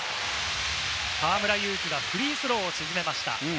河村勇輝はフリースローを沈めました。